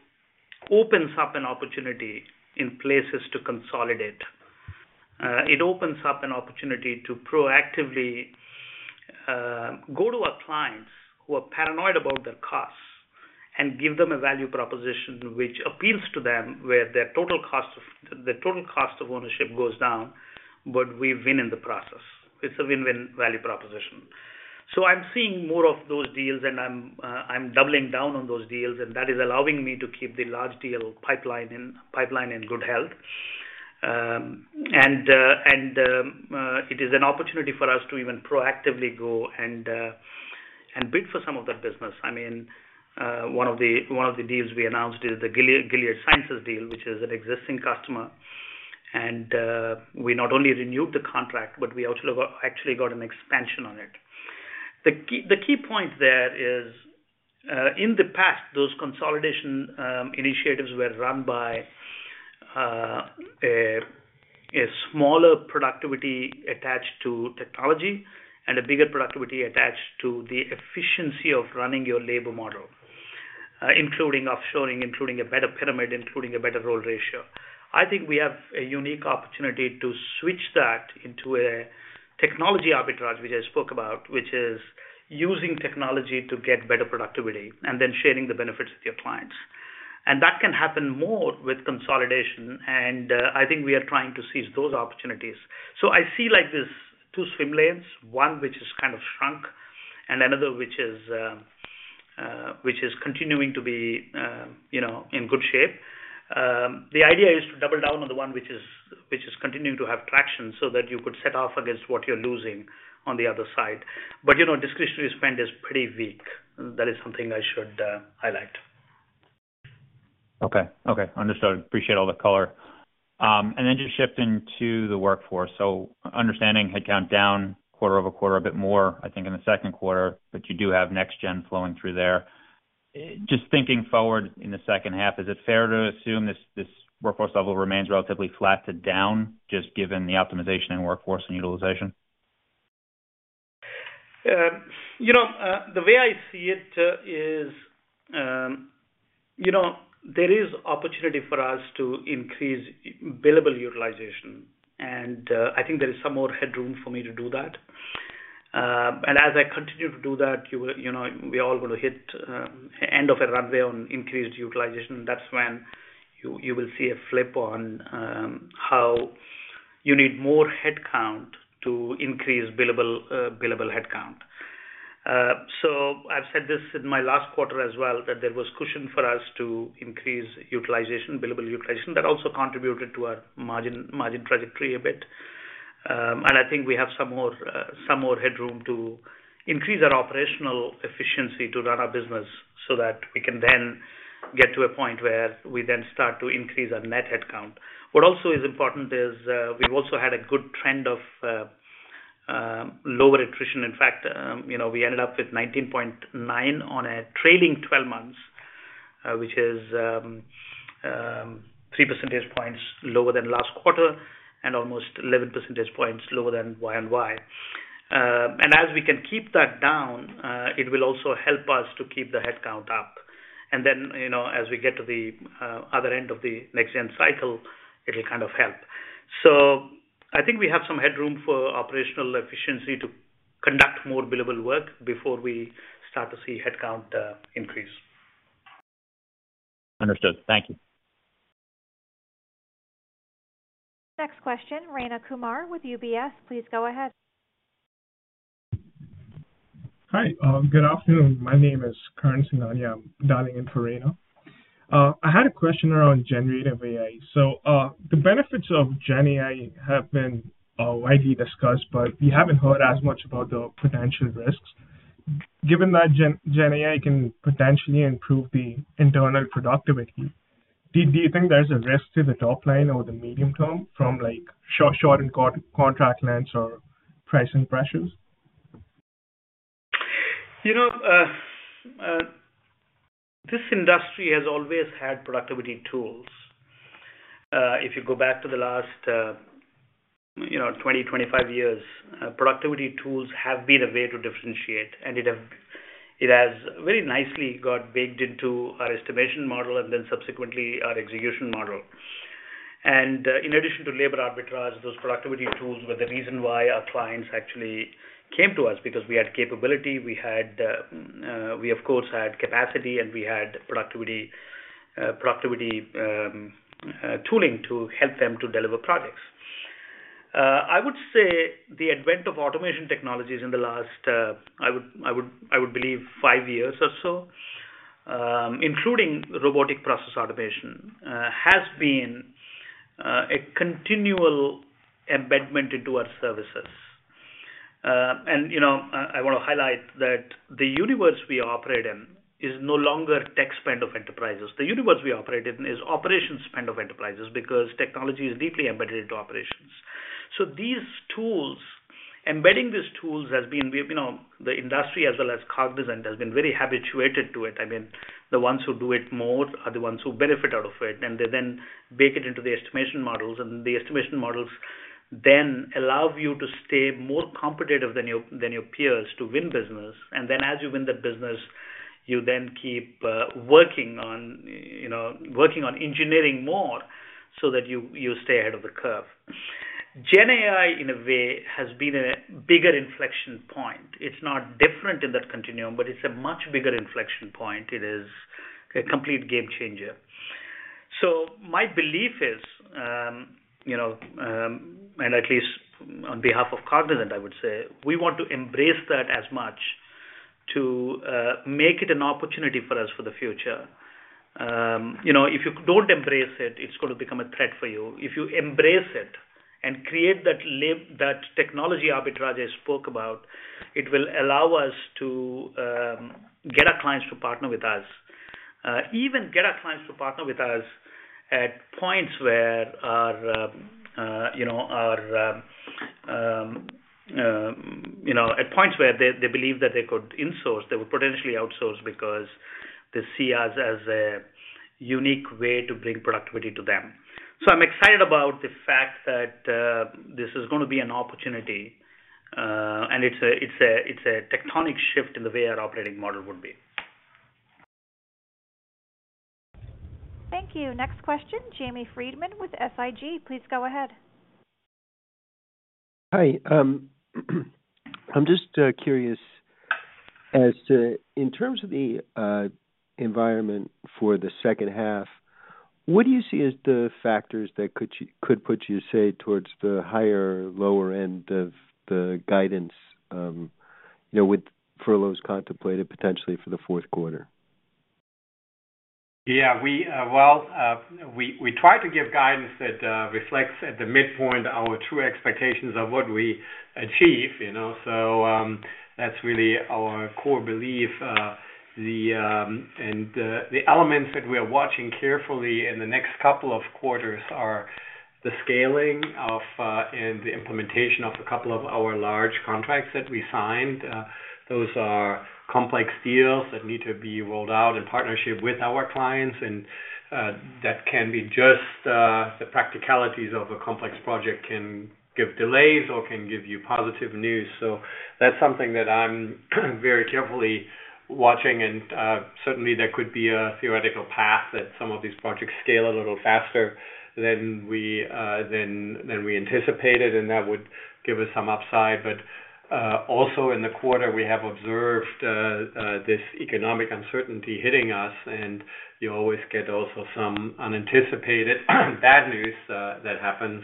opens up an opportunity in places to consolidate. It opens up an opportunity to proactively go to our clients who are paranoid about their costs and give them a value proposition which appeals to them, where their total cost of- the total cost of ownership goes down, we win in the process. It's a win-win value proposition. I'm seeing more of those deals, and I'm doubling down on those deals, and that is allowing me to keep the large deal pipeline in, pipeline in good health. It is an opportunity for us to even proactively go and bid for some of that business. I mean, one of the, one of the deals we announced is the Gilead, Gilead Sciences deal, which is an existing customer. We not only renewed the contract, but we also got-- actually got an expansion on it. The key, the key point there is, in the past, those consolidation initiatives were run by a smaller productivity attached to technology and a bigger productivity attached to the efficiency of running your labor model, including offshoring, including a better pyramid, including a better role ratio. I think we have a unique opportunity to switch that into a technology arbitrage, which I spoke about, which is using technology to get better productivity and then sharing the benefits with your clients. That can happen more with consolidation, and I think we are trying to seize those opportunities. I see like this two swim lanes, one which is kind of shrunk and another which is continuing to be, you know, in good shape. The idea is to double down on the one which is, which is continuing to have traction so that you could set off against what you're losing on the other side. You know, discretionary spend is pretty weak. That is something I should highlight. Okay, okay, understood. Appreciate all the color. Just shifting to the workforce. Understanding headcount down quarter-over-quarter, a bit more, I think, in the second quarter, but you do have NextGen flowing through there. Thinking forward in the second half, is it fair to assume this, this workforce level remains relatively flat to down, just given the optimization in workforce and utilization? You know, the way I see it, is, you know, there is opportunity for us to increase billable utilization, and I think there is some more headroom for me to do that. As I continue to do that, you will, you know, we are all going to hit, end of a runway on increased utilization. That's when you, you will see a flip on, how you need more headcount to increase billable, billable headcount. I've said this in my last quarter as well, that there was cushion for us to increase utilization, billable utilization. That also contributed to our margin, margin trajectory a bit. I think we have some more, some more headroom to increase our operational efficiency to run our business, so that we can then get to a point where we then start to increase our net headcount. What also is important is, we've also had a good trend of, lower attrition. In fact, you know, we ended up with 19.9% on a trailing 12 months, which is 3 percentage points lower than last quarter and almost 11 percentage points lower than Y-on-Y. As we can keep that down, it will also help us to keep the headcount up. Then, you know, as we get to the other end of the NextGen cycle, it'll kind of help. I think we have some headroom for operational efficiency to conduct more billable work before we start to see headcount increase. Understood. Thank you. Next question, Rayna Kumar with UBS. Please go ahead. Hi, good afternoon. My name is Karan Singhania, I'm dialing in for Rayna. I had a question around generative AI. The benefits of Gen AI have been widely discussed, but we haven't heard as much about the potential risks. Given that Gen AI can potentially improve the internal productivity, do you think there's a risk to the top line or the medium term from, like, short and contract lengths or pricing pressures? You know, this industry has always had productivity tools. If you go back to the last, you know, 20, 25 years, productivity tools have been a way to differentiate, and it has very nicely got baked into our estimation model and then subsequently our execution model. In addition to labor arbitrage, those productivity tools were the reason why our clients actually came to us, because we had capability, we had, we of course, had capacity, and we had productivity, productivity, tooling to help them to deliver projects. I would say the advent of automation technologies in the last, I would, I would, I would believe five years or so, including robotic process automation, has been a continual embedment into our services. You know, I want to highlight that the universe we operate in is no longer tech spend of enterprises. The universe we operate in is operations spend of enterprises, because technology is deeply embedded into operations. These tools, embedding these tools has been, we've, you know, the industry as well as Cognizant, has been very habituated to it. I mean, the ones who do it more are the ones who benefit out of it, and they then bake it into the estimation models. The estimation models then allow you to stay more competitive than your, than your peers to win business. Then as you win that business, you then keep, working on, you know, working on engineering more so that you, you stay ahead of the curve. GenAI, in a way, has been a bigger inflection point. It's not different in that continuum, but it's a much bigger inflection point. It is a complete game changer. My belief is, you know, and at least on behalf of Cognizant, I would say, we want to embrace that as much to make it an opportunity for us for the future. You know, if you don't embrace it, it's going to become a threat for you. If you embrace it and create that lib-- that technology arbitrage I spoke about, it will allow us to get our clients to partner with us. Even get our clients to partner with us at points where our, you know, our, you know, at points where they, they believe that they could insource, they would potentially outsource because they see us as a unique way to bring productivity to them. I'm excited about the fact that, this is gonna be an opportunity, and it's a, it's a, it's a tectonic shift in the way our operating model would be. Thank you. Next question, Jamie Friedman with SIG. Please go ahead. Hi. I'm just curious as to in terms of the environment for the second half, what do you see as the factors that could put you, say, towards the higher or lower end of the guidance, you know, with furloughs contemplated potentially for the fourth quarter? Yeah, we. We, we try to give guidance that reflects at the midpoint our true expectations of what we achieve, you know? So that's really our core belief. The, and the elements that we are watching carefully in the next couple of quarters are the scaling of and the implementation of a couple of our large contracts that we signed. Those are complex deals that need to be rolled out in partnership with our clients, and that can be just the practicalities of a complex project can give delays or can give you positive news. So that's something that I'm very carefully watching, and certainly, there could be a theoretical path that some of these projects scale a little faster than we than than we anticipated, and that would give us some upside. Also in the quarter, we have observed, this economic uncertainty hitting us, and you always get also some unanticipated, bad news, that happens.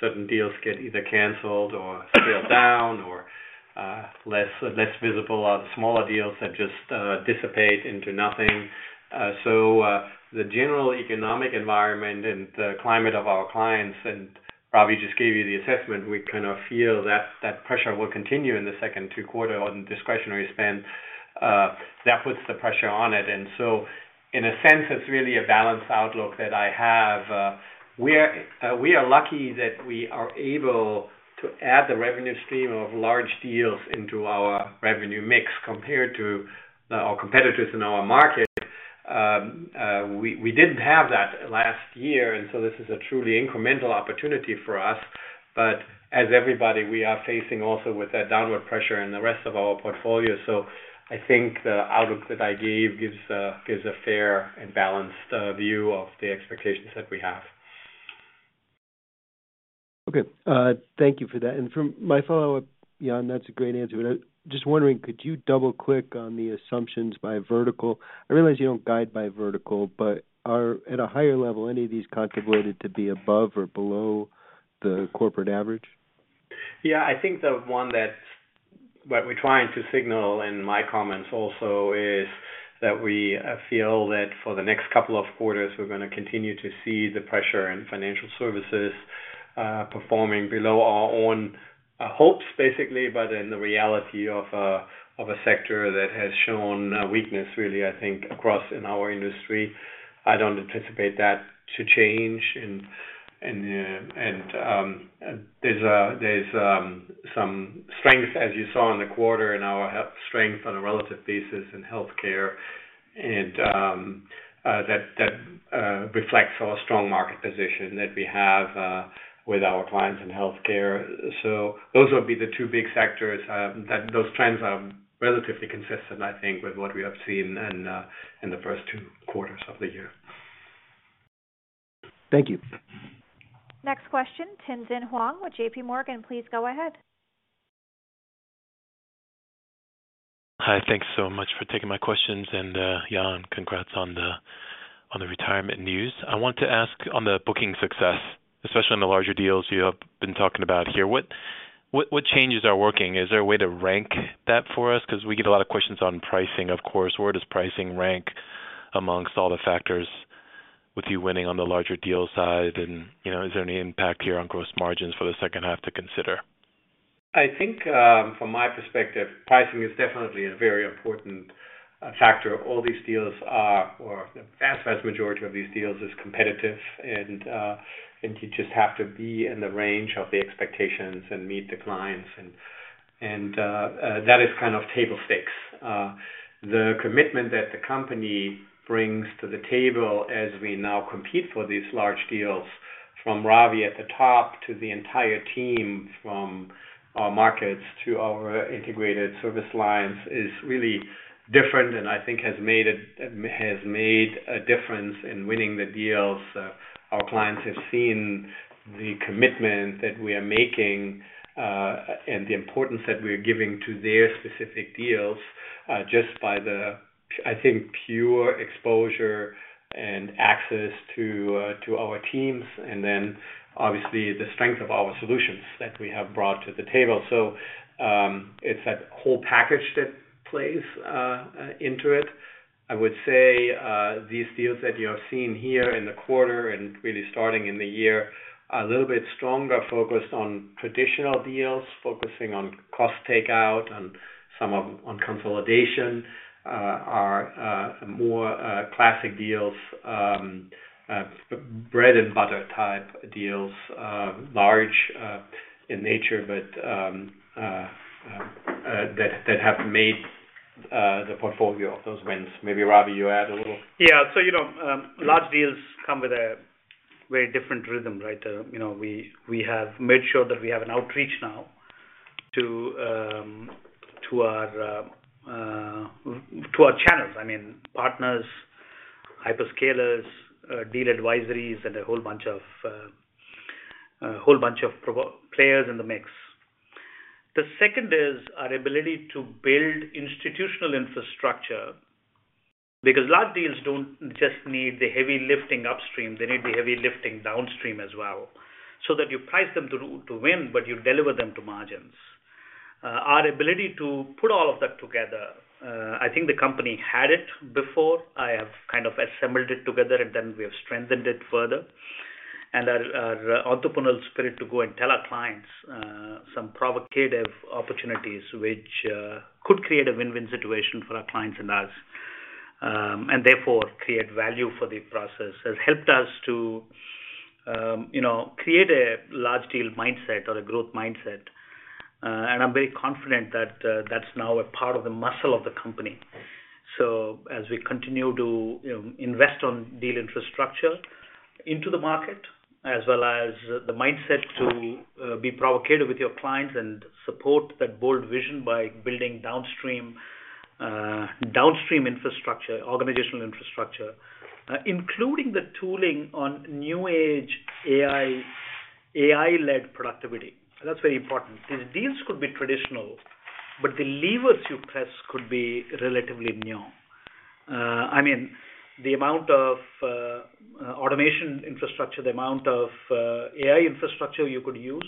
Certain deals get either canceled or scaled down or, less, less visible or smaller deals that just, dissipate into nothing. The general economic environment and the climate of our clients, and Ravi just gave you the assessment, we kind of feel that, that pressure will continue in the second two quarter on discretionary spend. That puts the pressure on it, in a sense, it's really a balanced outlook that I have. We are, we are lucky that we are able to add the revenue stream of large deals into our revenue mix, compared to, our competitors in our market. We, we didn't have that last year, this is a truly incremental opportunity for us. As everybody, we are facing also with that downward pressure in the rest of our portfolio. I think the outlook that I gave gives a, gives a fair and balanced view of the expectations that we have. Okay, thank you for that. From my follow-up, Jan, that's a great answer, but I was just wondering, could you double-click on the assumptions by vertical? I realize you don't guide by vertical, but are, at a higher level, any of these contemplated to be above or below the corporate average? Yeah, I think the one that, what we're trying to signal, and my comments also, is that we feel that for the next couple of quarters, we're gonna continue to see the pressure in Financial Services, performing below our own hopes, basically, but in the reality of a, of a sector that has shown weakness, really, I think, across in our industry. I don't anticipate that to change. There's there's some strength, as you saw in the quarter, in our strength on a relative basis in healthcare, and that, that reflects our strong market position that we have with our clients in healthcare. Those would be the two big sectors, that those trends are relatively consistent, I think, with what we have seen in the first two quarters of the year. Thank you. Next question, Tien-Tsin Huang with JPMorgan. Please go ahead. Hi, thanks so much for taking my questions, and Jan, congrats on the, on the retirement news. I want to ask on the booking success, especially on the larger deals you have been talking about here. What, what, what changes are working? Is there a way to rank that for us? Because we get a lot of questions on pricing, of course. Where does pricing rank amongst all the factors with you winning on the larger deal side, and, you know, is there any impact here on gross margins for the second half to consider? I think, from my perspective, pricing is definitely a very important factor. All these deals are, or the vast, vast majority of these deals is competitive and, and you just have to be in the range of the expectations and meet the clients and, that is kind of table stakes. The commitment that the company brings to the table as we now compete for these large deals, from Ravi at the top to the entire team, from our markets to our integrated service lines, is really different and I think has made a difference in winning the deals. Our clients have seen the commitment that we are making, and the importance that we are giving to their specific deals, just by the, I think, pure exposure and access to our teams, and then obviously the strength of our solutions that we have brought to the table. It's that whole package that plays into it. I would say, these deals that you have seen here in the quarter and really starting in the year, are a little bit stronger, focused on traditional deals, focusing on cost takeout and some of them on consolidation, are more classic deals, bread and butter type deals, large in nature, but that, that have made the portfolio of those wins. Maybe, Ravi, you add a little? Yeah. You know, large deals come with a very different rhythm, right? You know, we, we have made sure that we have an outreach now to, to our, to our channels, I mean, partners, hyperscalers, deal advisories, and a whole bunch of, a whole bunch of pro- players in the mix. The second is our ability to build institutional infrastructure, because large deals don't just need the heavy lifting upstream, they need the heavy lifting downstream as well, so that you price them to, to win, but you deliver them to margins. Our ability to put all of that together, I think the company had it before. I have kind of assembled it together, and then we have strengthened it further. Our, our entrepreneurial spirit to go and tell our clients, some provocative opportunities which could create a win-win situation for our clients and us, and therefore create value for the process, has helped us to, you know, create a large deal mindset or a growth mindset. And I'm very confident that that's now a part of the muscle of the company. As we continue to, you know, invest on deal infrastructure into the market, as well as the mindset to be provocative with your clients and support that bold vision by building downstream, downstream infrastructure, organizational infrastructure, including the tooling on new age AI, AI-led productivity. That's very important. These deals could be traditional, but the levers you press could be relatively new. I mean, the amount of automation infrastructure, the amount of AI infrastructure you could use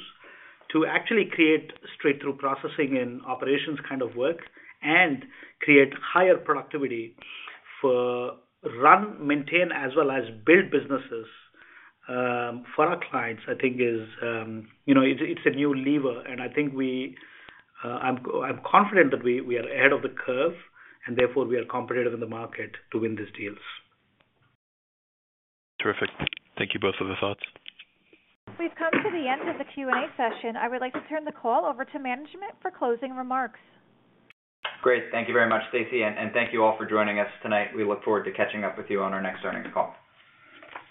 to actually create straight-through processing in operations kind of work and create higher productivity for run, maintain, as well as build businesses for our clients, I think is, you know, it's, it's a new lever, and I think we... I'm, I'm confident that we, we are ahead of the curve, and therefore we are competitive in the market to win these deals. Terrific. Thank you both for the thoughts. We've come to the end of the Q&A session. I would like to turn the call over to management for closing remarks. Great. Thank you very much, Stacey, and thank you all for joining us tonight. We look forward to catching up with you on our next earnings call.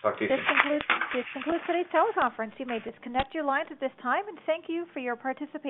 Talk to you soon. This concludes today's teleconference. You may disconnect your lines at this time. Thank you for your participation.